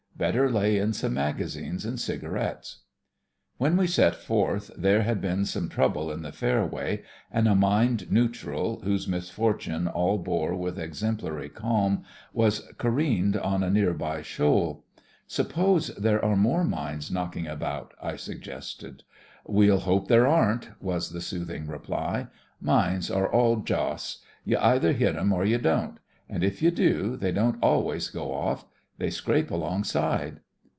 Better lay in some magazines and cigarettes. When we set forth there had been some trouble in the fairway, and a mined neutral, whose misfortune all bore with exemplary calm, was ca reened on a near by shoal. "Suppose there are more mines knocking about?" I suggested. "We'll hope there aren't," was the soothing reply. "Mines are all Joss. THE FRINGES OF THE FLEET 61 You either hit 'em or you don't. And if you do, they don't always go off. They scrape alongside."